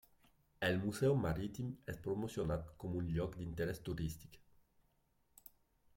El museu Marítim és promocionat com un lloc d'interès turístic.